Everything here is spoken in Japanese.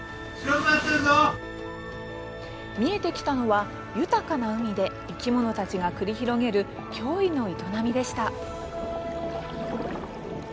見えてきたのは、豊かな海で生き物たちが繰り広げる驚異の営みでした。